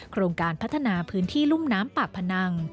โครงการพัฒนาพื้นที่รุ่มน้ำปากพนัง